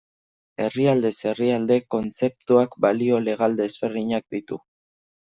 Herrialdez herrialde kontzeptuak balio legal desberdinak ditu.